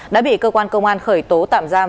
đã bị cơ quan công an khởi tố tạm giam